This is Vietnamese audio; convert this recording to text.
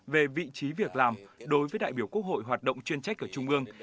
về vị trí việc làm đối với đại biểu quốc hội hoạt động chuyên trách ở trung ương